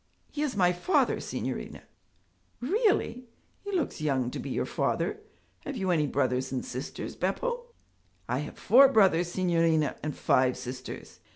'He is my father, signorina.' 'Really! He looks young to be your father have you any brothers and sisters, Beppo?' 'I have four brothers, signorina, and five sisters.'